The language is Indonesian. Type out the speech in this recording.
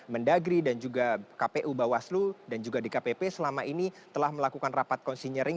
mendagri dan juga kpu bawaslu dan juga dkpp selama ini telah melakukan rapat konsinyering